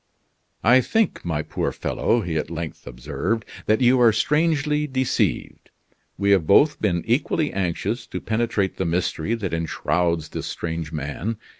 "I think, my poor fellow," he at length observed, "that you are strangely deceived. We have both been equally anxious to penetrate the mystery that enshrouds this strange man.